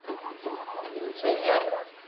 تو سھي ڪي ھي